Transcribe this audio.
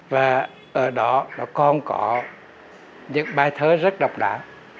và ở đó còn có những bài thơ rất độc đảm